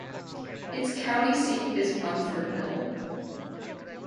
Its county seat is Munfordville.